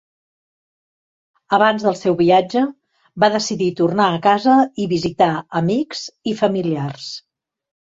Abans del seu viatge, va decidir tornar a casa i visitar amics i familiars.